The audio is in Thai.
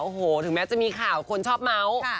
โอ้โหถึงแม้จะมีข่าวคนชอบเมาส์